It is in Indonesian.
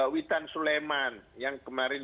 witan suleman yang kemarin